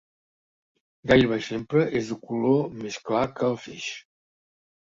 Gairebé sempre és de color més clar que el feix.